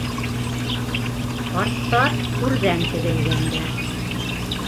Ҡарттар түрҙән теҙелгәндәр.